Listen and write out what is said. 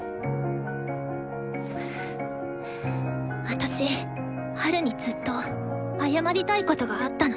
私ハルにずっと謝りたいことがあったの。